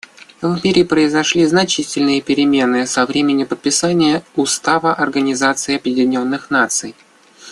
В мире произошли значительные перемены со времени подписания Устава Организации Объединенных Наций.